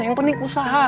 yang penting usaha